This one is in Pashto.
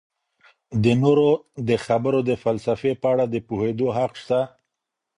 د نورو د خبرو د فلسفې په اړه د پوهیدو حق سته.